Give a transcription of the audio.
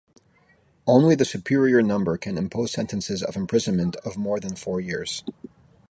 Only the Superior Number can impose sentences of imprisonment of more than four years.